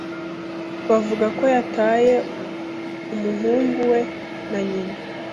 bavuga ko yataye umuhungu we na nyina